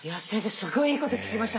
すごいいいこと聞きました。